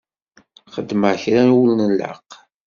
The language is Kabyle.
Xedmeɣ kra ur nlaq?